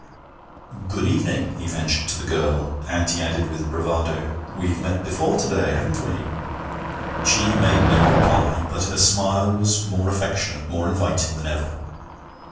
'Good evening,' he ventured to the girl; and he added with bravado: 'We've met before to day, haven't we?' She made no reply, but her smile was more affectionate, more inviting, than ever.